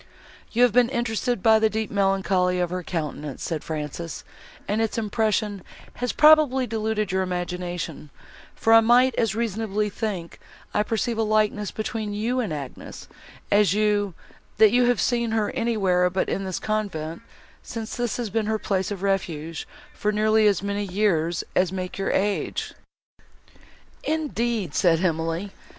"You have been interested by the deep melancholy of her countenance," said Frances, "and its impression has probably deluded your imagination; for I might as reasonably think I perceive a likeness between you and Agnes, as you, that you have seen her anywhere but in this convent, since this has been her place of refuge, for nearly as many years as make your age." "Indeed!" said Emily.